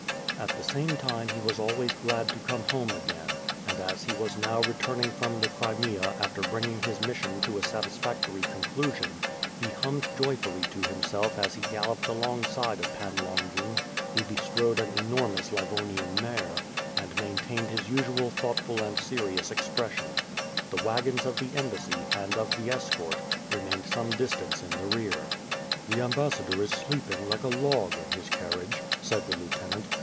At the same time he was always glad to come home again, and as he was now returning from the Crimea after bringing his mission to a satisfactory conclusion, he hummed joyfully to himself as he galloped alongside of Pan Longin, who be strode an enormous Livonian mare, and maintained his usual thoughtful and serious expression. The wagons of the em bassy, and of the escort, remained some distance in the rear. "The ambassador is sleeping like a log in his carriage," said the lieutenant.